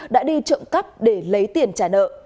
đã đi trộm cắp để lấy tiền trả nợ